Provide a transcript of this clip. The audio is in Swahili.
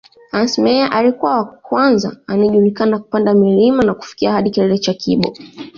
Hans Meyer alikuwa wa kwanza anayejulikana kupanda mlima na kufika hadi kilele cha Kibo